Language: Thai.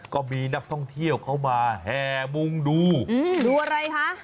ก็มีนักท่องเที่ยวเขามาแห่มุงดูดูอะไรคะ